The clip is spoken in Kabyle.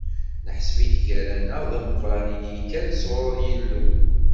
Neḥseb-ik gar-aneɣ d ameqran i d-ikkan sɣur Yillu.